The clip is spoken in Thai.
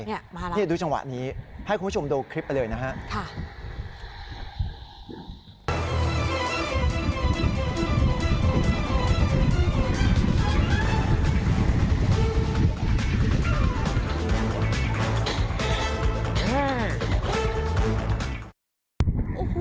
นี่ดูจังหวะนี้ให้คุณผู้ชมดูคลิปไปเลยนะครับ